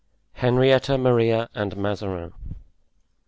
Henrietta Maria and Mazarin.